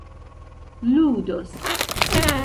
ludos